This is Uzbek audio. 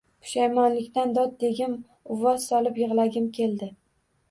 Pushaymonlikdan dod degim, uvvos solib yig`lagim keldi